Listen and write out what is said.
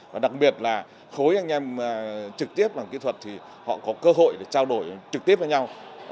và đặc biệt là khối anh em trực tiếp bằng kỹ thuật thì họ có cơ hội để trao đổi trực tiếp với nhau